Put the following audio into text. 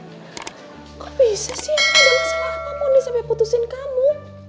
ada masalah apa mondi sampai putusin kamu